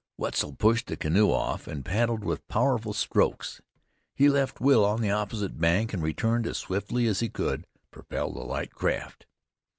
Wetzel pushed the canoe off, and paddled with powerful strokes; he left Will on the opposite bank, and returned as swiftly as he could propel the light craft.